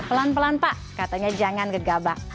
pelan pelan pak katanya jangan gegabah